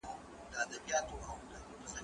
زه اوږده وخت سبزیحات وچوم وم!؟